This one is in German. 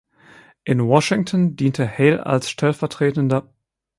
In Washington diente Hale als stv.